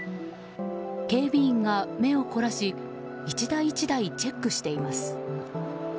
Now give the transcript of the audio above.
警備員が目を凝らし１台１台チェックしています。